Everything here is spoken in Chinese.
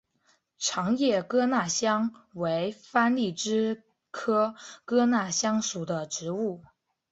长叶哥纳香为番荔枝科哥纳香属的植物。